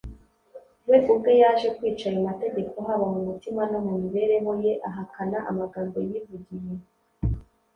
we ubwe yaje kwica ayo mategeko haba mu mutima no mu mibereho ye, ahakana amagambo yivugiye